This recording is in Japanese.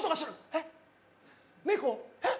えっ？